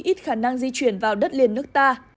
ít khả năng di chuyển vào đất liền nước ta